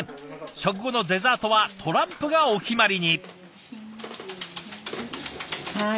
食後のデザートはトランプがお決まりに。